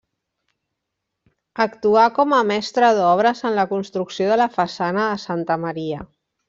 Actuà com a mestre d'obres en la construcció de la façana de Santa Maria.